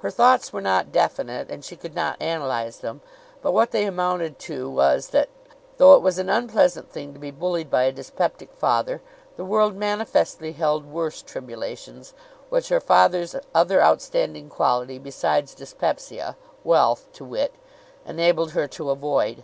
Her thoughts were not definite and she could not analyze them; but what they amounted to was that, though it was an unpleasant thing to be bullied by a dyspeptic father, the world manifestly held worse tribulations, which her father's other outstanding quality, besides dyspepsia wealth, to wit enabled her to avoid.